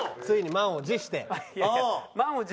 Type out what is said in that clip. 満を持して。